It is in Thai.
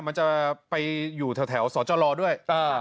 มันจะไปอยู่แถวสจด้วย